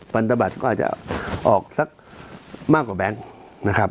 พันธบัตรก็อาจจะออกสักมากกว่าแบงค์นะครับ